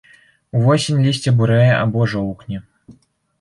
Увосень лісце бурэе або жоўкне.